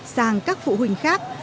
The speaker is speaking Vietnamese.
sang các phụ huynh khác